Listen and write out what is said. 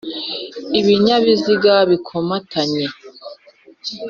ibinyabiziga bikomatanye